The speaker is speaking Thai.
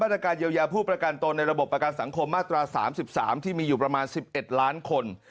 ตรการเยียวยาผู้ประกันตนในระบบประกันสังคมมาตรา๓๓ที่มีอยู่ประมาณ๑๑ล้านคน